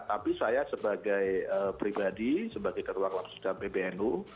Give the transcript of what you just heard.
tapi saya sebagai pribadi sebagai ketua pbnu